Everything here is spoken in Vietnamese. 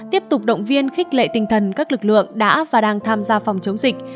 tiếp tục động viên khích lệ tinh thần các lực lượng đã và đang tham gia phòng chống dịch